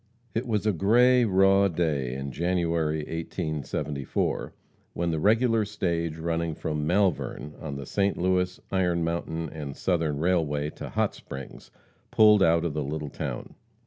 It was a gray, raw day in January, 1874, when the regular stage running from Malvern, on the St. Louis, Iron Mountain & Southern Railway, to Hot Springs, pulled out from the little town.